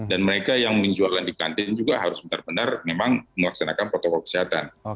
dan mereka yang menjualan di kantin juga harus benar benar memang melaksanakan protokol kesehatan